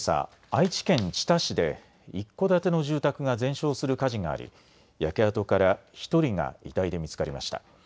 愛知県知多市で一戸建ての住宅が全焼する火事があり焼け跡から１人が遺体で見つかりました。